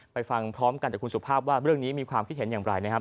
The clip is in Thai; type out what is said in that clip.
ไปฟังพร้อมกันจากคุณสุภาพว่าเรื่องนี้มีความคิดเห็นอย่างไรนะครับ